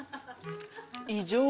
異常。